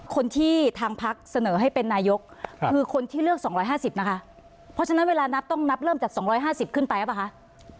คนที่ทางพักเสนอให้เป็นนายกคือคนที่เลือก๒๕๐นะคะเพราะฉะนั้นเวลานับต้องนับเริ่มจาก๒๕๐ขึ้นไปหรือเปล่าคะ